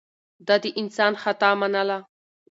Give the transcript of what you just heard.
ده د انسان خطا منله.